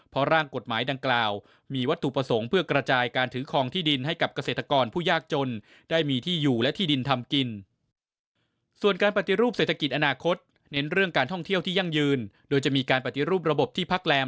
เพราะร่างกฎหมายดังกล่าวมีวัตถุประสงค์เพื่อกระจายการถือคลองที่ดินให้กับเกษตรกรผู้ยากจนได้มีที่อยู่และที่ดินทำกินส่วนการปฏิรูปเศรษฐกิจ